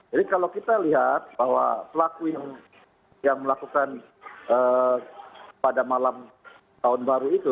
jadi kalau kita lihat bahwa pelaku yang melakukan pada malam tahun baru itu